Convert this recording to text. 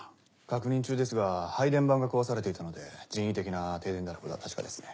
確認中ですが配電盤が壊されていたので人為的な停電であることは確かですね。